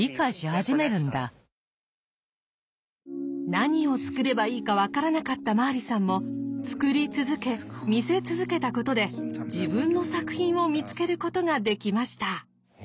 何を作ればいいか分からなかったマーリさんも作り続け見せ続けたことで自分の作品を見つけることができました。